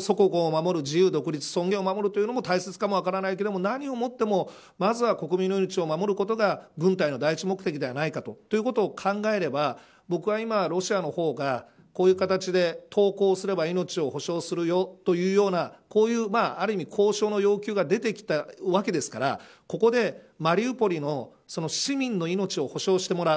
祖国を守る自由独立、尊厳を守るのも大切かもしれないけど何をもってもまずは国民の命を守ることが軍隊の第一目的ではないかと考えれば僕は今ロシアの方がこういう形で投降すれば命を保障するよというようなある意味、交渉の要求が出てきたわけですからここでマリウポリの市民の命を保証してもらう。